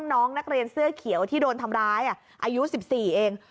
น้องนักเรียนเสื้อเขียวที่โดนทำร้ายอายุ๑๔เอง